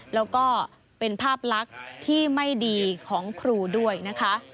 แล้วก็เป็นภาพลักษณ์ที่ไม่ดีของครูด้วยนะคะ